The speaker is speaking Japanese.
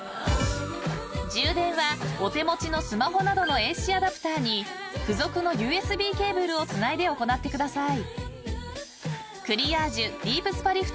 ［充電はお手持ちのスマホなどのＡＣアダプターに付属のＵＳＢケーブルをつないで行ってください］